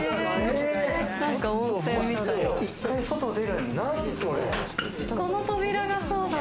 １回、外、出るんだ。